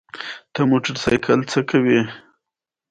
د ولاړېدو سېکه یې نه درلوده.